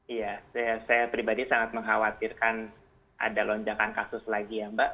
iya saya pribadi sangat mengkhawatirkan ada lonjakan kasus lagi ya mbak